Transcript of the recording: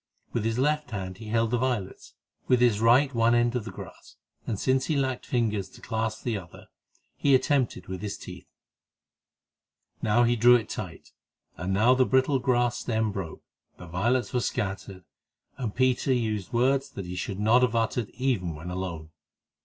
With his left hand he held the violets, with his right one end of the grass, and since he lacked fingers to clasp the other, this he attempted with his teeth. Now he drew it tight, and now the brittle grass stem broke, the violets were scattered, and Peter used words that he should not have uttered even when alone.